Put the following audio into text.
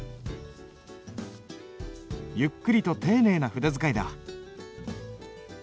ゆっくりと丁寧な筆使いだ。